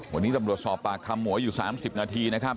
วันนี้ตำรวจสอบปากคำหมวยอยู่๓๐นาทีนะครับ